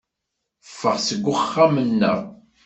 Ffɣeɣ seg uxxam-nneɣ.